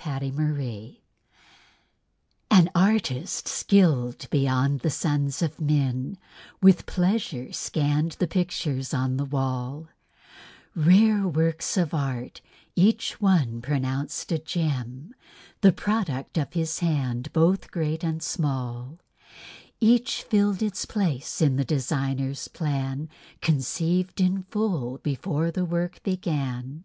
PERFECT WORK An artist skilled beyond the sons of men With pleasure scanned the pictures on the wall, Rare works of art, each one pronounced a gem, The product of his hand, both great and small; Each filled its place in the designer's plan; Conceived in full before the work began.